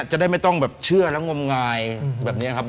จะได้ไม่ต้องแบบเชื่อและงมงายแบบนี้ครับ